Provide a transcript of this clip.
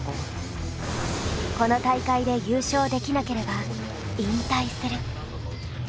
この大会で優勝できなければ引退する。